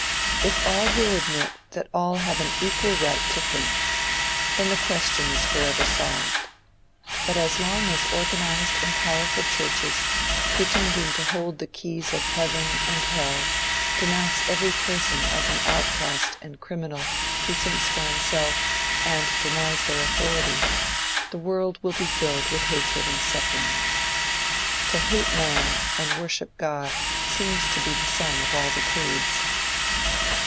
If all will admit that all have an equal right to think, then the question is forever solved; but as long as organized and powerful churches, pretending to hold the keys of heaven and hell, denounce every person as an outcast and criminal who thinks for himself and denies their authority, the world will be filled with hatred and suffering. To hate man and worship God seems to be the sum of all the creeds.